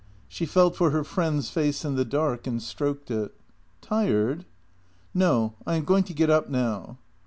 She felt for her friend's face in the dark and stroked it. " Tired? " "No. I am going to get up now."